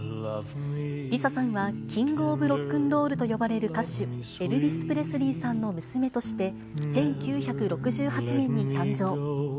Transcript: リサさんはキング・オブ・ロックンロールと呼ばれる歌手、エルヴィス・プレスリーさんの娘として、１９６８年に誕生。